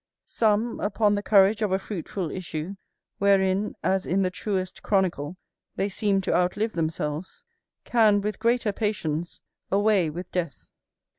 Some, upon the courage of a fruitful issue, wherein, as in the truest chronicle, they seem to outlive themselves, can with greater patience away with death.